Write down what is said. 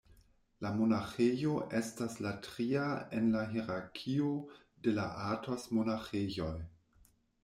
La monaĥejo estas la tria en la hierarkio de la Athos-monaĥejoj.